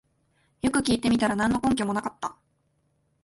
よく聞いてみたら何の根拠もなかった